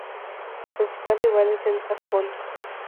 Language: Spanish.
Su principal rival es el Ascoli.